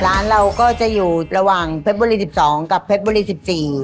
ร้านเราก็จะอยู่ระหว่างเพชรบุรี๑๒กับเพชรบุรีสิบสี่